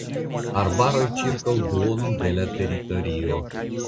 Arbaroj ĉirkaŭ duono de la teritorio.